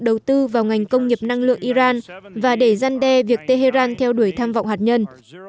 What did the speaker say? đầu tư vào ngành công nghiệp năng lượng iran và để gian đe việc tehran theo đuổi tham vọng hạt nhân